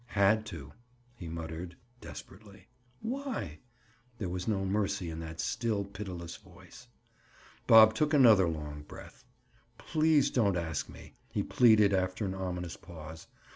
"Had to," he muttered desperately. "Why?" There was no mercy in that still pitiless voice. Bob took another long breath. "Please don't ask me," he pleaded after an ominous pause.